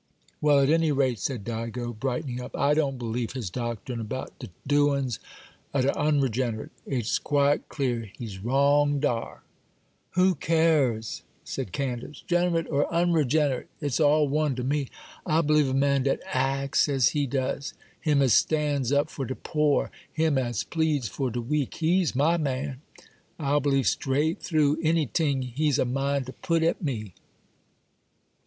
'Well, at any rate,' said Digo, brightening up, 'I don't believe his doctrine about de doings of de unregenerate,—it's quite clear he's wrong dar.' 'Who cares?' said Candace,—'generate or unregenerate, it's all one to me. I believe a man dat acts as he does. Him as stands up for de poor,—him as pleads for de weak,—he's my man. I'll believe straight through anyting he's a mind to put at me.